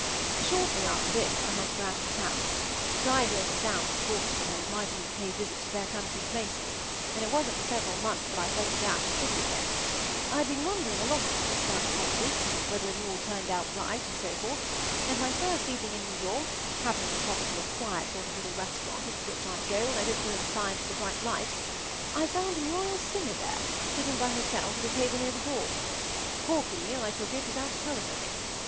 Shortly after this I had to go out of town. Divers sound sportsmen had invited me to pay visits to their country places, and it wasn’t for several months that I settled down in the city again. I had been wondering a lot, of course, about Corky, whether it all turned out right, and so forth, and my first evening in New York, happening to pop into a quiet sort of little restaurant which I go to when I don’t feel inclined for the bright lights, I found Muriel Singer there, sitting by herself at a table near the door. Corky, I took it, was out telephoning.